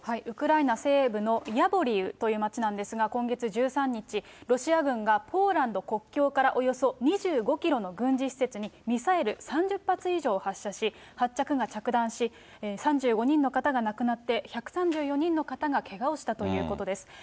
ウクライナ西部のヤボリウという町なんですが、今月１３日、ロシア軍がポーランド国境からおよそ２５キロの軍事施設にミサイル３０発以上を発射し、８発が着弾し、３５人の方が亡くなって、１３４人の方がけがをしたということです。